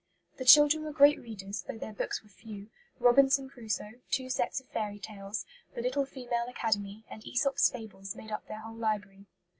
The children were great readers, though their books were few. Robinson Crusoe; two sets of fairy tales; The Little Female Academy; and Æsop's Fables made up their whole library.